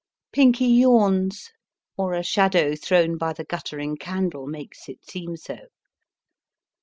Pinky yawns (or a shadow thrown by the guttering candle makes it seem so).